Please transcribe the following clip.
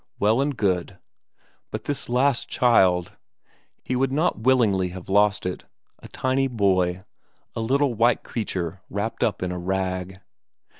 Well and good. But this last child he would not willingly have lost it; a tiny boy, a little white creature wrapped up in a rag.